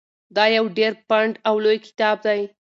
دا یو ډېر پنډ او لوی کتاب دی.